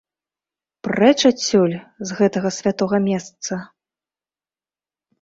Прэч адсюль, з гэтага святога месца!